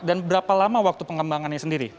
dan berapa lama waktu pengembangannya sendiri